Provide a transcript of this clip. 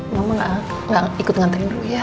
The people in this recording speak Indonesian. mama gak ikut ngantriin dulu ya